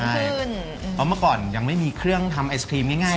เพราะเมื่อก่อนยังไม่มีเครื่องทำไอศครีมง่าย